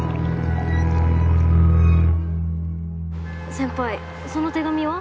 先輩その手紙は？